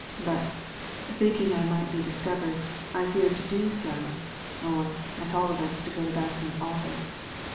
But, thinking I might be discovered, I feared to do so — or at all events to go to Basson's office.